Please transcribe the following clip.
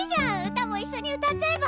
歌もいっしょに歌っちゃえば？